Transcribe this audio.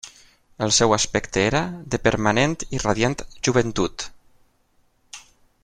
El seu aspecte era de permanent i radiant joventut.